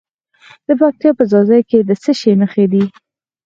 د پکتیا په ځاځي کې د څه شي نښې دي؟